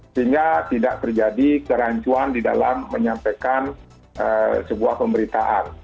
sehingga tidak terjadi kerancuan di dalam menyampaikan sebuah pemberitaan